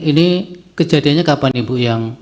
ini kejadiannya kapan ibu yang